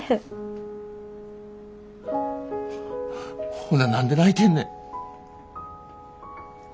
ほな何で泣いてんねん。